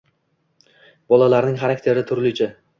Bolalarning xarakteri turlicha.